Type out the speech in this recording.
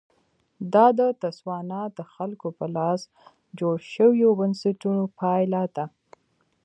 دا د تسوانا د خلکو په لاس جوړ شویو بنسټونو پایله ده.